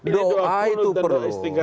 doa itu perlu